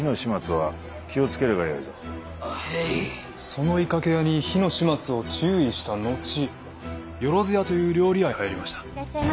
その鋳掛け屋に火の始末を注意した後萬屋という料理屋へ入りました。